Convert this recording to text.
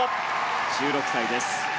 １６歳です。